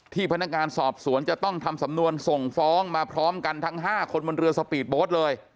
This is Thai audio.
พนักงานสอบสวนจะต้องทำสำนวนส่งฟ้องมาพร้อมกันทั้ง๕คนบนเรือสปีดโบ๊ทเลย